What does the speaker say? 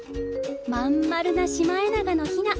まん丸なシマエナガのヒナ。